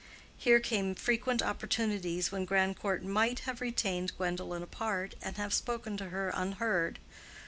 Here came frequent opportunities when Grandcourt might have retained Gwendolen apart, and have spoken to her unheard.